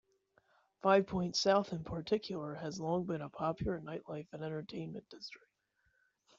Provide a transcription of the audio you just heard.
Five Points South in particular has long been a popular nightlife and entertainment district.